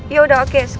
ya udah oke